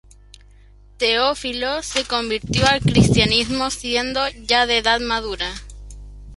Teófilo se convirtió al cristianismo siendo ya de edad madura.